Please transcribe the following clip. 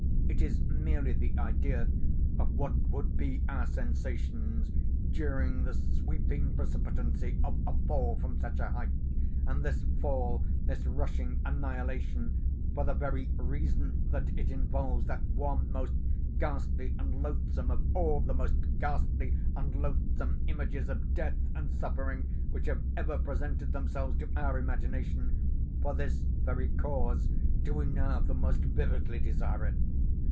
It is merely the idea of what would be our sensations during the sweeping precipitancy of a fall from such a height. And this fall—this rushing annihilation—for the very reason that it involves that one most ghastly and loathsome of all the most ghastly and loathsome images of death and suffering which have ever presented themselves to our imagination—for this very cause do we now the most vividly desire it.